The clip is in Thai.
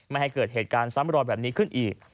ไม่ให้เกิดเหตุการณ์ซ้ำรอยแบบนี้ขึ้นอีก